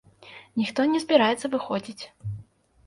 Ніхто не збіраецца выходзіць.